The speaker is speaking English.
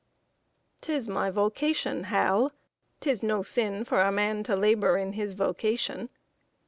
'Tis my vocation, Hal; 'tis no sin for a man to labor in his vocation.